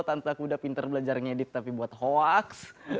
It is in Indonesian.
tante aku udah pintar belajar ngedit tapi buat hoax